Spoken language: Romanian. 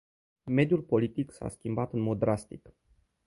Mediul politic s-a schimbat în mod drastic.